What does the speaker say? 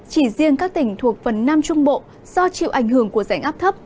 chỉ riêng các tỉnh thuộc phần nam trung bộ do chịu ảnh hưởng của rảnh áp thấp